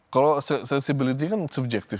kalau accessibility kan subjektif